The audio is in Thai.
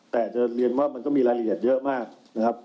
แต่จะเรียนว่ามันก็มีรายละเอียดเยอะมากนะครับ